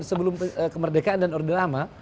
sebelum kemerdekaan dan orde lama